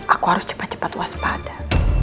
aku harus cepat cepat waspada